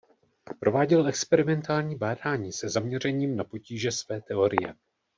Prováděl experimentální bádání se zaměřením na potíže své teorie.